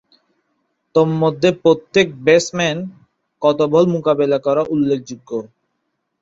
তন্মধ্যে প্রত্যেক ব্যাটসম্যান কত বল মোকাবেলা করা উল্লেখযোগ্য।